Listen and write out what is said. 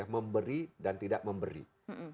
memberi dan tidak memberikan